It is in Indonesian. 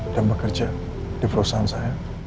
dan bekerja di perusahaan saya